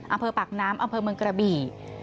อำเภอปากน้ำอำเภอเมืองกระบี่